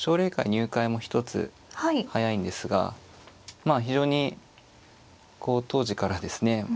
入会も１つ早いんですがまあ非常に当時からですね